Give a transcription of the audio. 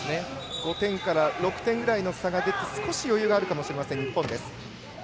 ５点から６点台の差が出て少し余裕があるかもしれない日本。